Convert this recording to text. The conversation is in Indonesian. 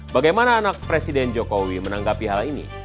bagaimana anak presiden jokowi menanggapi hal ini